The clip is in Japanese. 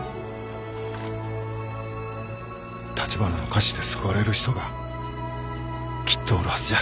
たちばなの菓子で救われる人がきっとおるはずじゃ。